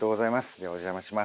ではお邪魔します。